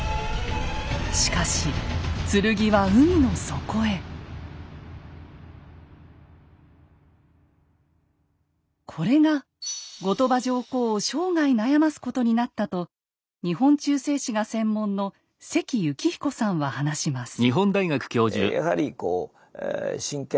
しかしこれが後鳥羽上皇を生涯悩ますことになったと日本中世史が専門の関幸彦さんは話します。